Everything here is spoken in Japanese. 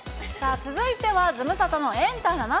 続いては、ズムサタのエンタ７３４。